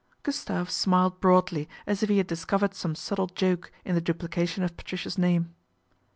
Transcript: Gustave smiled broadly as if he had discovered some subtle joke in the duplication of Patricia's name.